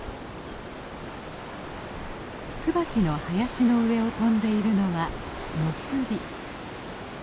ツバキの林の上を飛んでいるのはノスリ。